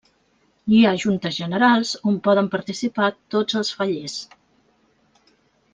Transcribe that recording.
Hi ha juntes generals on poden participar tots els fallers.